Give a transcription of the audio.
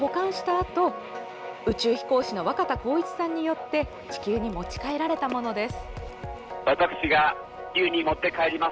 あと宇宙飛行士の若田光一さんによって地球に持ち帰られたものです。